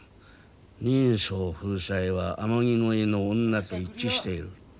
人相風采は天城越えの女と一致している。